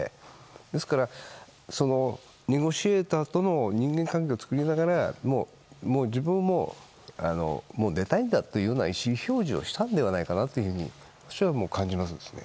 ですから、ネゴシエーターとの人間関係を作りながら自分はもう、出たいんだという意思表示をしたんじゃないかと私は感じますね。